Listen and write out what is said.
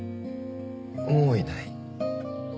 もういない？